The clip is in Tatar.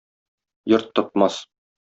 Йорт тотмас.